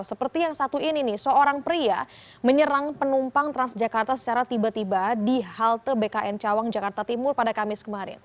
seperti yang satu ini nih seorang pria menyerang penumpang transjakarta secara tiba tiba di halte bkn cawang jakarta timur pada kamis kemarin